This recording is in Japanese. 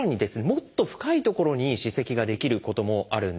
もっと深い所に歯石が出来ることもあるんです。